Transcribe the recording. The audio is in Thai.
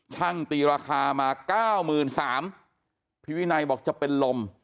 ช่างตีราคามา๙๓๐๐๐บาทพี่วินัยบอกจะเป็นลม